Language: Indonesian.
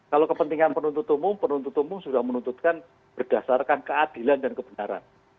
kalau kepentingan penuntut umum penuntut umum sudah menuntutkan berdasarkan keadilan dan kebenaran